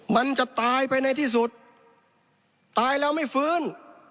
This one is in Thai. มันจะตายไปในที่สุดตายแล้วไม่ฟื้น